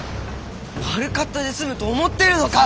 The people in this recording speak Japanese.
悪かったで済むと思ってるのか！